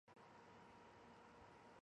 蒂绍代尔日。